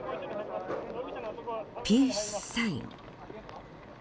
ピースサイン。